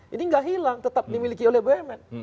ini nggak hilang tetap dimiliki oleh bumn